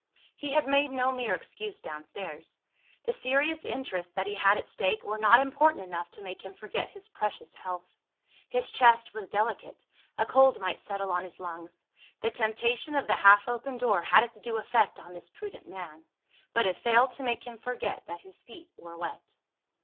He had made no mere excuse downstairs. The serious interests that he had at stake, were not important enough to make him forget his precious health. His chest was delicate; a cold might settle on his lungs. The temptation of the half open door had its due effect on this prudent man; but it failed to make him forget that his feet were wet.